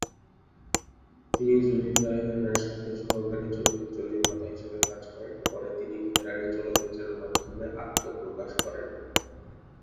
তিনি জহির রায়হানের সাথে সহকারী চলচ্চিত্র নির্মাতা হিসেবে কাজ করেন, পরে তিনি ফেরারি চলচ্চিত্রের মাধ্যমে আত্মপ্রকাশ করেন।